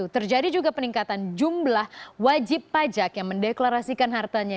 terjadi juga peningkatan jumlah wajib pajak yang mendeklarasikan hartanya